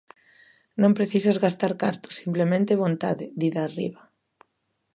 "Non precisas gastar cartos, simplemente vontade", di Darriba.